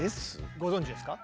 ご存じですか？